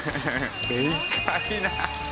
でかいな。